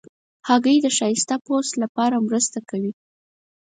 هګۍ د ښایسته پوست لپاره مرسته کوي.